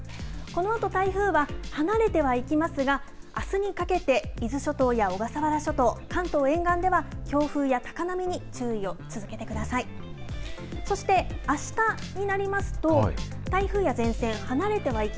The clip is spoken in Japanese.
このあと、台風は離れてはいきますが、あすにかけて伊豆諸島や小笠原諸島、関東沿岸では強風や高波に注意を続けてください。